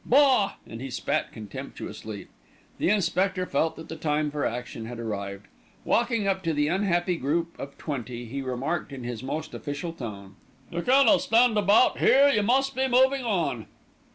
Bah!" and he spat contemptuously. The inspector felt that the time for action had arrived. Walking up to the unhappy group of twenty, he remarked in his most official tone: "You cannot stand about here, you must be moving on."